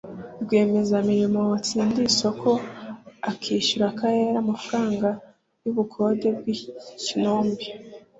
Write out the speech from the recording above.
rwiyemezamirimo watsindiye isoko akishyura akarere amafaranga y’ ubukode bw’ikinombe